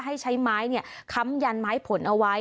ให้ใช้ไม้ค้ำยันไม้ผลเอาไว้